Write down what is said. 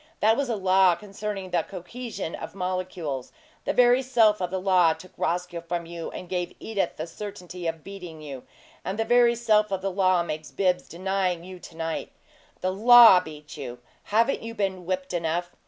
That was a law concerning the cohesion of molecules. The very self of the law took Roscoe from you and gave Edith the certainty of beating you; and the very self of the law makes Bibbs deny you to night. The LAW beats you. Haven't you been whipped enough?